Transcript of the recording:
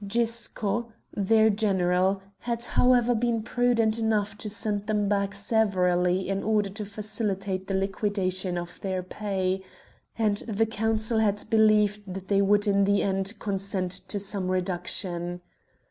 Gisco, their general, had however been prudent enough to send them back severally in order to facilitate the liquidation of their pay, and the Council had believed that they would in the end consent to some reduction.